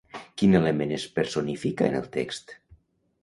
Quin element es personifica en el text?